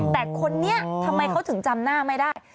แต่คนนี้ทำไมเขาถึงจำหน้าไม่ได้